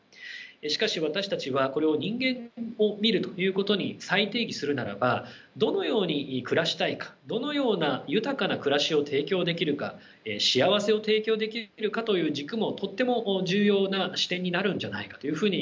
しかし私たちはこれを人間を診るということに再定義するならばどのように暮らしたいかどのような豊かな暮らしを提供できるか幸せを提供できるかという軸もとっても重要な視点になるんじゃないかというふうに考えています。